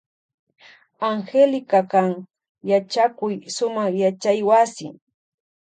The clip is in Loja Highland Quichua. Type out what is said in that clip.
Angélica kan yachakuy sumak yachaywasi.